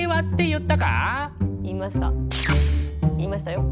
言いましたよ。